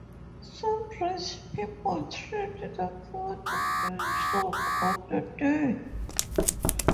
Some rich people treat the poor to bean-soup on that day.